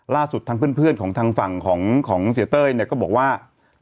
ล่าสุดทางเพื่อนของทางฝั่งของเสียเต้ยเนี่ยก็บอกว่า